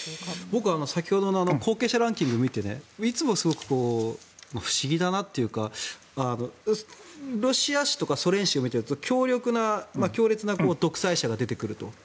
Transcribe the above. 僕、先ほどの後継者ランキングを見ていつも不思議だなというかロシア市とかソ連市を見ていると強烈な独裁者が出てくると。